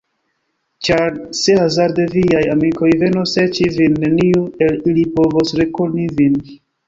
Ĉar se hazarde viaj amikoj venos serĉi vin, neniu el ili povos rekoni vin.